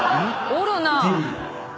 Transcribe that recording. おるなぁ。